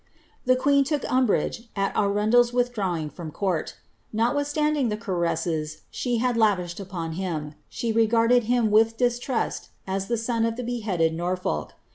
The queen took umbrage at Arundel's withdrawing from court Not withstanding the caresses she had lavished upon him, she regarded him with distrust as the son of the beheaded Norfolk.